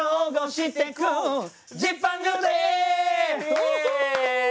イエイ！